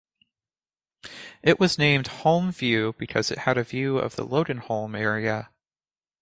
It was named Holme View because it had a view of the Loganholme area.